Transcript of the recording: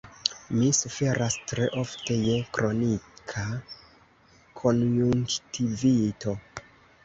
Mi suferas tre ofte je kronika konjunktivito.